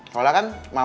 kalau lah kan mama gue